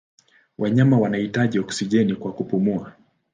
Wanyama wanahitaji oksijeni kwa kupumua.